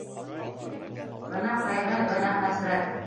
Бына ҡайғы, бына хәсрәт!